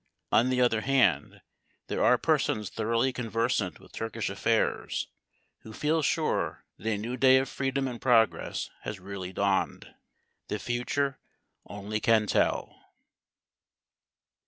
On the other hand, there are persons thoroughly conversant with Turkish affairs who feel sure that a new day of freedom and progress has really dawned. The future only can tell.